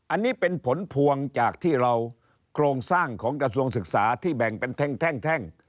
อันนี้เป็นผลพวงจากที่เราโครงสร้างของกระทรวงศึกษาที่แบ่งเป็นแท่ง